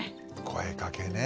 声かけね。